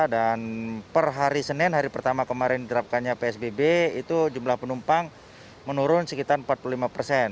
dan per hari senin hari pertama kemarin diterapkannya psbb itu jumlah penumpang menurun sekitar empat puluh lima